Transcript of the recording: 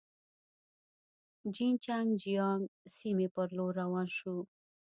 جین چنګ جیانګ سیمې پر لور روان شوو.